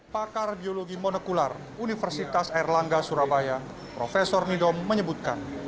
pakar biologi monokular universitas erlangga surabaya prof nidom menyebutkan